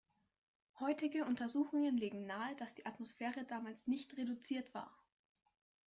Heutige Untersuchungen legen nahe, dass die Atmosphäre damals nicht reduzierend war.